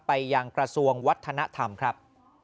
ไปยังกระทรวงวัฒนธรรมครับ